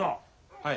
はい。